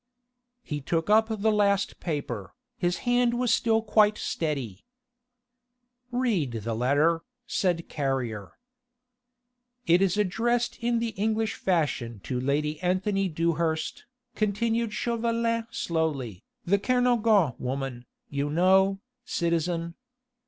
He took up the last paper; his hand was still quite steady. "Read the letter," said Carrier. "It is addressed in the English fashion to Lady Anthony Dewhurst," continued Chauvelin slowly, "the Kernogan woman, you know, citizen.